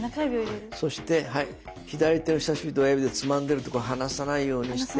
そしてはい左手の人さし指と親指でつまんでるところ離さないようにして。